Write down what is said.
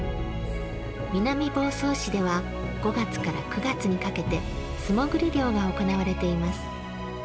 南房総市では５月から９月にかけて素もぐり漁が行われています。